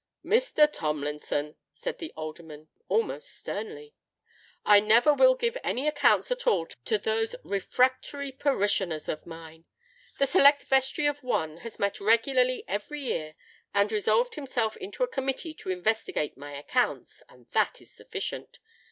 "Mr. Tomlinson," said the Alderman, almost sternly, "I never will give any accounts at all to those refractory parishioners of mine. The Select Vestry of One has met regularly every year, and resolved himself into a Committee to investigate my accounts—and that is sufficient.